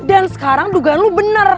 dan sekarang dugaan lo bener